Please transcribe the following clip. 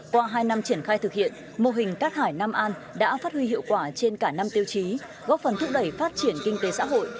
qua hai năm triển khai thực hiện mô hình cát hải nam an đã phát huy hiệu quả trên cả năm tiêu chí góp phần thúc đẩy phát triển kinh tế xã hội